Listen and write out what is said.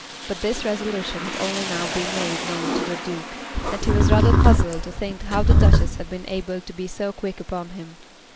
But this resolution had only now been made known to the Duke, and he was rather puzzled to think how the Duchess had been able to be so quick upon him.